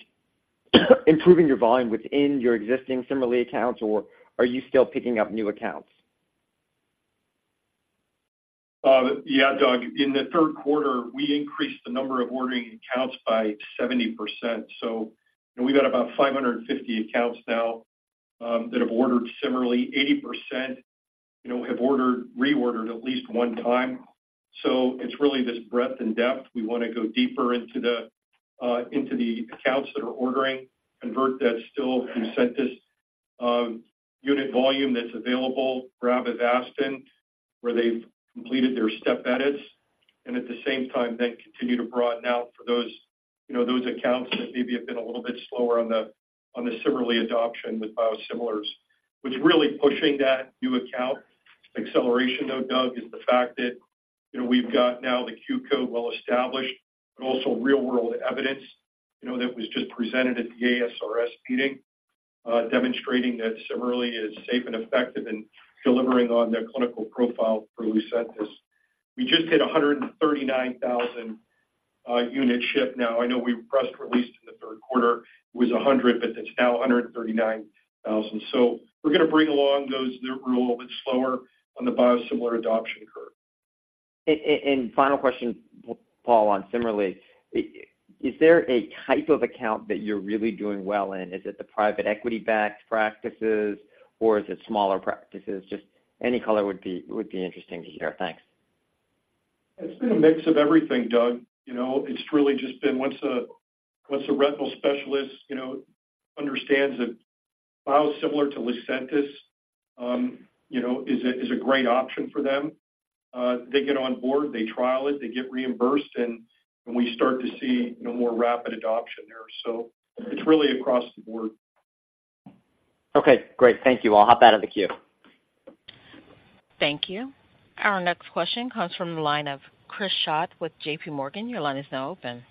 improving your volume within your existing CIMERLI accounts, or are you still picking up new accounts? Yeah, Doug, in the Q3, we increased the number of ordering accounts by 70%. So we've got about 550 accounts now that have ordered CIMERLI. 80%, you know, have ordered, reordered at least one time. So it's really this breadth and depth. We wanna go deeper into the accounts that are ordering, convert that still Lucentis unit volume that's available, Avastin, where they've completed their step edits, and at the same time, then continue to broaden out for those, you know, those accounts that maybe have been a little bit slower on the, on the CIMERLI adoption with biosimilars. What's really pushing that new account acceleration, though, Doug, is the fact that, you know, we've got now the Q-Code well established, but also real-world evidence, you know, that was just presented at the ASRS meeting, demonstrating that CIMERLI is safe and effective in delivering on the clinical profile for Lucentis. We just hit 139,000 unit ship. Now, I know we press released in the Q3, it was 100, but it's now 139,000. So we're gonna bring along those that were a little bit slower on the biosimilar adoption curve. Final question, Paul, on CIMERLI. Is there a type of account that you're really doing well in? Is it the private equity-backed practices, or is it smaller practices? Just any color would be interesting to hear. Thanks. It's been a mix of everything, Doug. You know, it's really just been once a retinal specialist, you know, understands that biosimilar to Lucentis, you know, is a great option for them, they get on board, they trial it, they get reimbursed, and we start to see, you know, more rapid adoption there. So it's really across the board. Okay, great. Thank you. I'll hop out of the queue. Thank you. Our next question comes from the line of Chris Schott with J.P. Morgan. Your line is now open.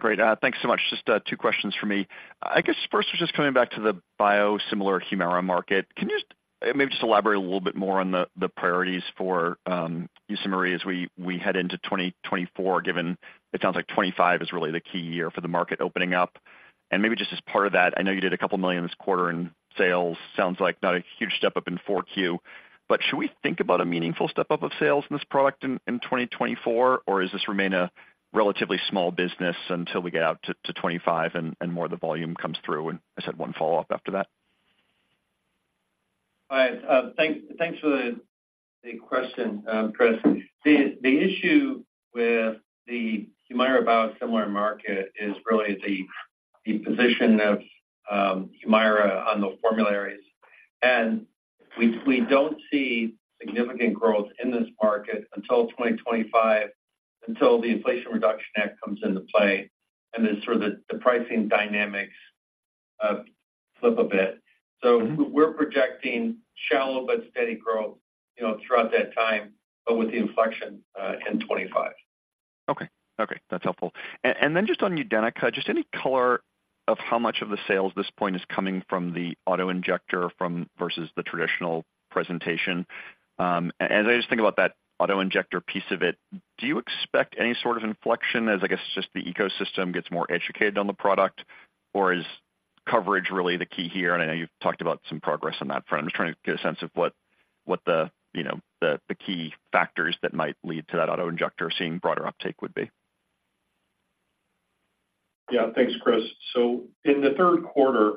Great. Thanks so much. Just two questions for me. I guess first, just coming back to the biosimilar HUMIRA market. Can you just maybe just elaborate a little bit more on the priorities for YUSIMRY as we head into 2024, given it sounds like 2025 is really the key year for the market opening up. And maybe just as part of that, I know you did $2 million this quarter in sales. Sounds like not a huge step up in Q4, but should we think about a meaningful step-up of sales in this product in 2024? Or does this remain a relatively small business until we get out to 2025 and more of the volume comes through? And I just had one follow-up after that. Thanks for the question, Chris. The issue with the HUMIRA biosimilar market is really the position of HUMIRA on the formularies. We don't see significant growth in this market until 2025, until the Inflation Reduction Act comes into play, and then sort of the pricing dynamics flip a bit. So we're projecting shallow but steady growth, you know, throughout that time, but with the inflection in 2025. Okay. Okay, that's helpful. And then just on UDENYCA, just any color of how much of the sales at this point is coming from the auto-injector versus the traditional presentation? As I just think about that auto-injector piece of it, do you expect any sort of inflection as, I guess, just the ecosystem gets more educated on the product? Or is coverage really the key here? And I know you've talked about some progress on that front. I'm just trying to get a sense of what, you know, the key factors that might lead to that auto-injector seeing broader uptake would be. Yeah. Thanks, Chris. So in the Q3,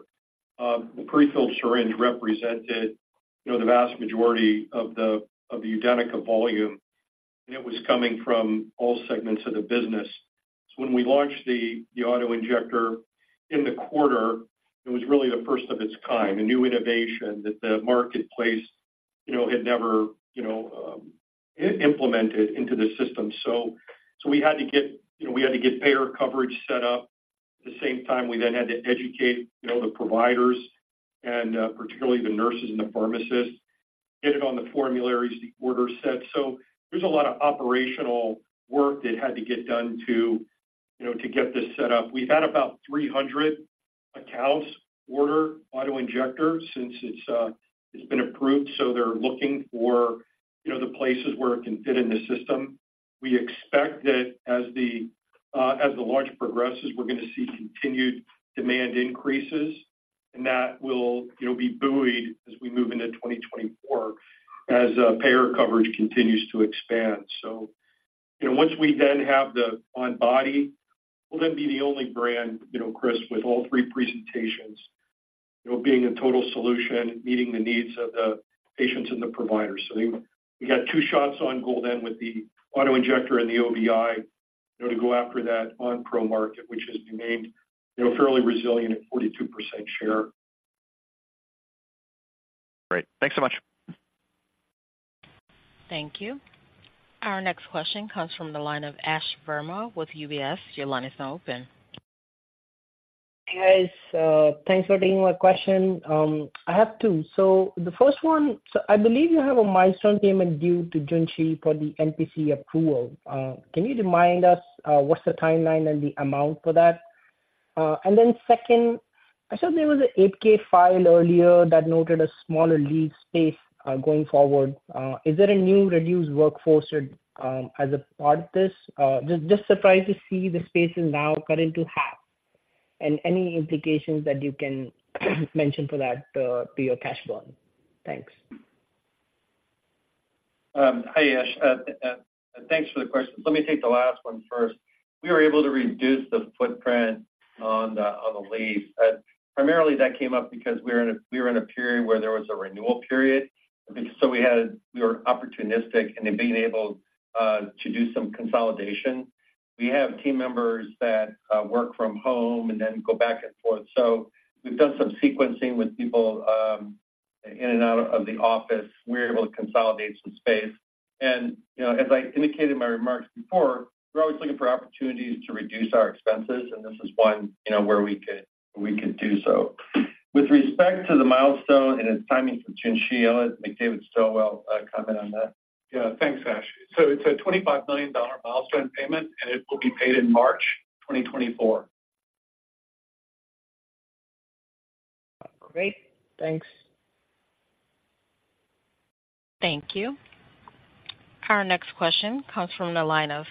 the prefilled syringe represented, you know, the vast majority of the UDENYCA volume, and it was coming from all segments of the business. So when we launched the auto-injector in the quarter, it was really the first of its kind, a new innovation that the marketplace, you know, had never implemented into the system. So we had to get, you know, we had to get payer coverage set up. At the same time, we then had to educate, you know, the providers and particularly the nurses and the pharmacists, get it on the formularies, the order set. So there's a lot of operational work that had to get done to, you know, to get this set up. We've had about 300 accounts order auto-injector since it's, it's been approved, so they're looking for, you know, the places where it can fit in the system. We expect that as the, as the launch progresses, we're gonna see continued demand increases, and that will, you know, be buoyed as we move into 2024, as, payer coverage continues to expand. So, you know, once we then have the on-body, we'll then be the only brand, you know, Chris, with all three presentations, you know, being a total solution, meeting the needs of the patients and the providers. So we, we got two shots on goal then with the auto-injector and the OBI, you know, to go after that Onpro market, which has remained, you know, fairly resilient at 42% share. Great. Thanks so much. Thank you. Our next question comes from the line of Ash Verma with UBS. Your line is now open. Hey, guys, thanks for taking my question. I have two. So the first one, so I believe you have a milestone payment due to Junshi for the NPC approval. Can you remind us what's the timeline and the amount for that? And then second, I saw there was an 8-K file earlier that noted a smaller lease space going forward. Is there a new reduced workforce as a part of this? Just surprised to see the space is now cut in half. And any implications that you can mention for that to your cash burn? Thanks. Hi, Ash, thanks for the question. Let me take the last one first. We were able to reduce the footprint on the lease. Primarily, that came up because we were in a period where there was a renewal period. So we were opportunistic in then being able to do some consolidation. We have team members that work from home and then go back and forth. So we've done some sequencing with people in and out of the office. We're able to consolidate some space. You know, as I indicated in my remarks before, we're always looking for opportunities to reduce our expenses, and this is one, you know, where we could do so. With respect to the milestone and its timing for Junshi, I'll let McDavid Stilwell comment on that. Yeah, thanks, Ash. So it's a $25 million milestone payment, and it will be paid in March 2024. Great. Thanks. Thank you. Our next question comes from the line of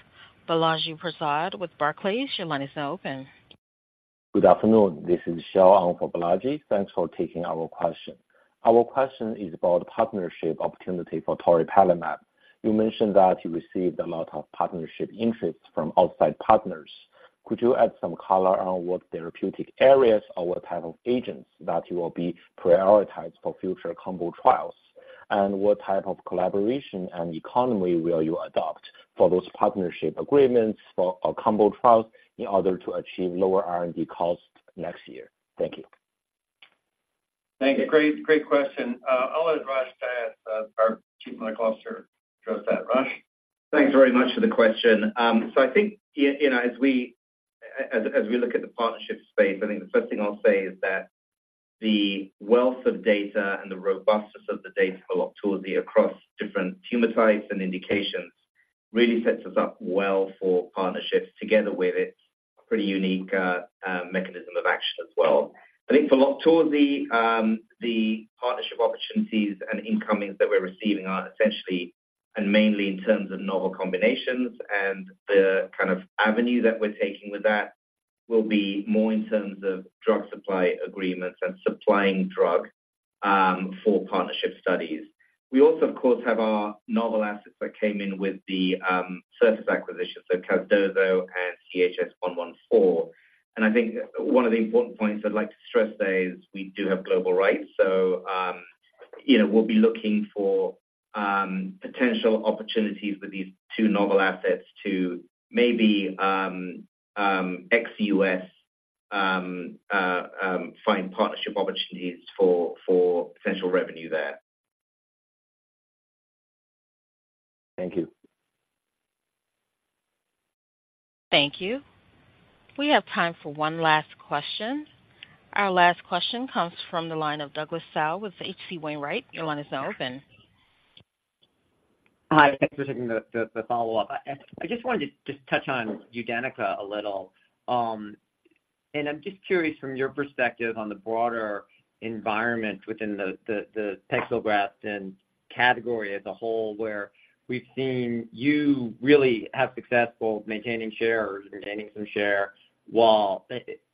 Balaji Prasad with Barclays. Your line is now open. Good afternoon. This is Xiao on for Balaji. Thanks for taking our question. Our question is about partnership opportunity for toripalimab. You mentioned that you received a lot of partnership interest from outside partners. Could you add some color on what therapeutic areas or what type of agents that you will be prioritized for future combo trials? And what type of collaboration and economy will you adopt for those partnership agreements for a combo trials in order to achieve lower R&D costs next year? Thank you. Thank you. Great, great question. I'll let Rosh Dias, our Chief Medical Officer, address that. Rosh? Thanks very much for the question. So I think, you know, as we look at the partnership space, I think the first thing I'll say is that the wealth of data and the robustness of the data for LOQTORZI across different tumor types and indications really sets us up well for partnerships, together with its pretty unique mechanism of action as well. I think for LOQTORZI, the partnership opportunities and incomings that we're receiving are essentially and mainly in terms of novel combinations, and the kind of avenue that we're taking with that will be more in terms of drug supply agreements and supplying drug for partnership studies. We also, of course, have our novel assets that came in with the Surface acquisition, so Casdozokitug and CHS-114. I think one of the important points I'd like to stress there is we do have global rights, so, you know, we'll be looking for ex-U.S. partnership opportunities for essential revenue there. Thank you. Thank you. We have time for one last question. Our last question comes from the line of Douglas Tsao with H.C. Wainwright. Your line is now open. Hi, thanks for taking the follow-up. I just wanted to just touch on UDENYCA a little. And I'm just curious from your perspective on the broader environment within the pegfilgrastim category as a whole, where we've seen you really have successful maintaining share or maintaining some share while,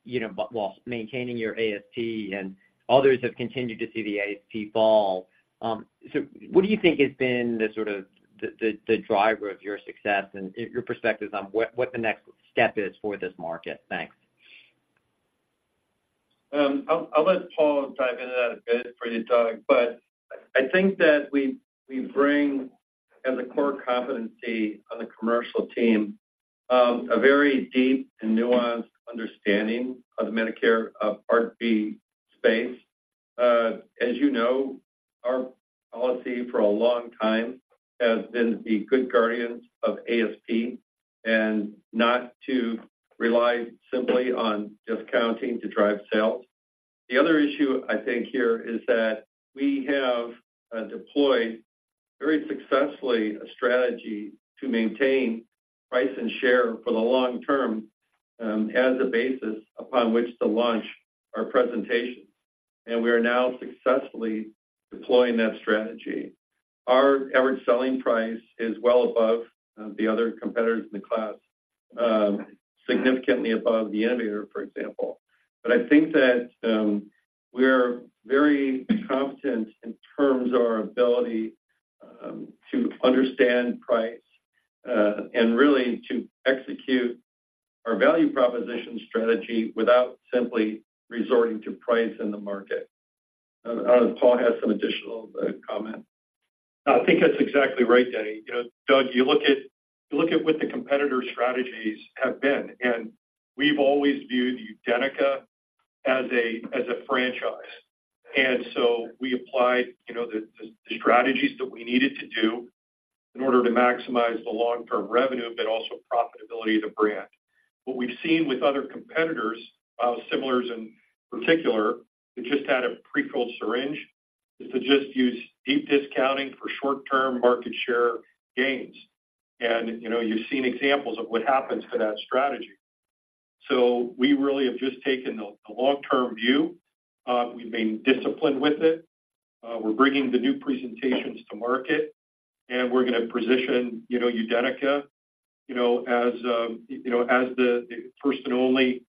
you know, but while maintaining your ASP and others have continued to see the ASP fall. So what do you think has been the sort of the driver of your success and your perspectives on what the next step is for this market? Thanks. I'll let Paul dive into that a bit for you, Doug, but I think that we bring as a core competency on the commercial team, a very deep and nuanced understanding of the Medicare Part B space. As you know, our policy for a long time has been to be good guardians of ASP and not to rely simply on discounting to drive sales. The other issue I think here is that we have deployed very successfully a strategy to maintain price and share for the long term, as a basis upon which to launch our presentations. And we are now successfully deploying that strategy. Our average selling price is well above, the other competitors in the class, significantly above the innovator, for example. But I think that we're very competent in terms of our ability to understand price and really to execute our value proposition strategy without simply resorting to price in the market. I don't know if Paul has some additional comment. I think that's exactly right, Denny. You know, Doug, you look at what the competitor strategies have been, and we've always viewed UDENYCA as a franchise. So we applied, you know, the strategies that we needed to do in order to maximize the long-term revenue, but also profitability of the brand. What we've seen with other competitors, similars in particular, that just had a prefilled syringe, is to just use deep discounting for short-term market share gains. You know, you've seen examples of what happens to that strategy. So we really have just taken the long-term view. We've been disciplined with it. We're bringing the new presentations to market, and we're gonna position, you know, UDENYCA, you know, as the first and only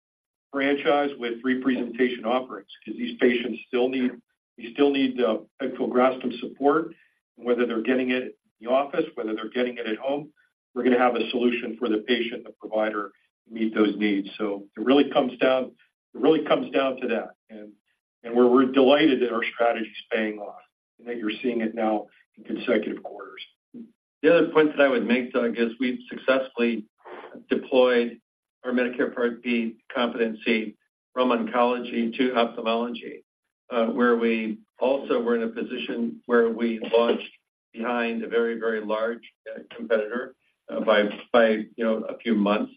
franchise with three presentation offerings. Because these patients still need, they still need the pegfilgrastim and support, whether they're getting it in the office, whether they're getting it at home, we're gonna have a solution for the patient and the provider to meet those needs. So it really comes down, it really comes down to that, and, and we're, we're delighted that our strategy is paying off and that you're seeing it now in consecutive quarters. The other point that I would make, Doug, is we've successfully deployed our Medicare Part B competency from oncology to ophthalmology, where we also were in a position where we launched behind a very, very large competitor by, by you know, a few months,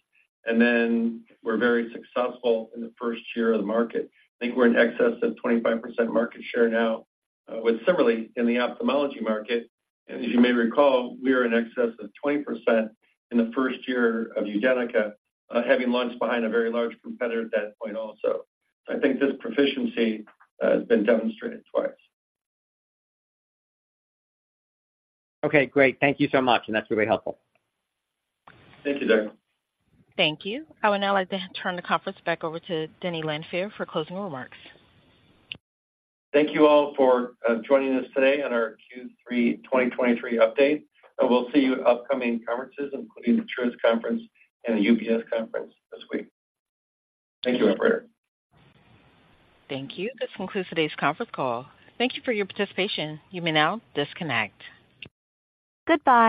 and then we're very successful in the first year of the market. I think we're in excess of 25% market share now with similarly in the ophthalmology market. And as you may recall, we are in excess of 20% in the first year of UDENYCA, having launched behind a very large competitor at that point also. I think this proficiency has been demonstrated twice. Okay, great. Thank you so much, and that's really helpful. Thank you, Doug. Thank you. I would now like to turn the conference back over to Denny Lanfear for closing remarks. Thank you all for joining us today on our Q3 2023 update, and we'll see you at upcoming conferences, including the Truist Conference and the UBS conference this week. Thank you, operator. Thank you. This concludes today's conference call. Thank you for your participation. You may now disconnect. Goodbye.